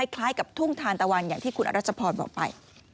คล้ายกับทุ่งทานตะวันอย่างที่คุณอรัชพรบอกไป